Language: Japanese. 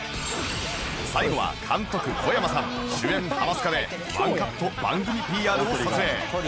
最後は監督こやまさん主演ハマスカで１カット番組 ＰＲ を撮影